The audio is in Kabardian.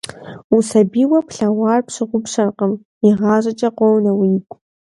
Усабийуэ плъэгъуар пщыгъупщэркъым, игъащӀэкӀэ къонэ уигу.